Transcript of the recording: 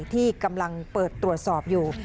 ที่กำลังเปิดตรวจสอบอยู่